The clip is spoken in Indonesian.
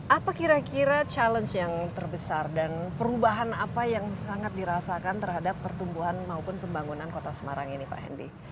apa kira kira challenge yang terbesar dan perubahan apa yang sangat dirasakan terhadap pertumbuhan maupun pembangunan kota semarang ini pak hendy